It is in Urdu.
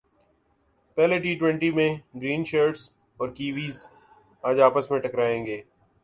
پہلے ٹی میں گرین شرٹس اور کیربیئنز اج پس میں ٹکرائیں گے